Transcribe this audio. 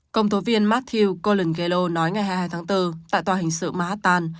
công tố viên matthew colangelo nói ngày hai mươi hai tháng bốn tại tòa hình sự mahatan